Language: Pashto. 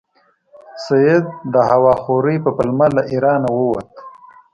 سید د هوا خورۍ په پلمه له ایرانه ووت.